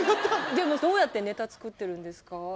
でもどうやってネタ作ってるんですか？